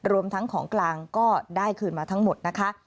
รวมทั้งของกลางก็ได้คืนมาทั้งหมดนะคะ